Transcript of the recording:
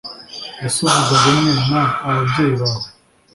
Ese uvuga rumwe n ababyeyi bawe